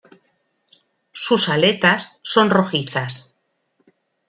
Sus aletas son rojizas.